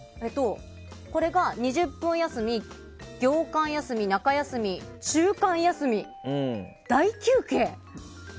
これが、２０分休み業間休み、中休み大休憩？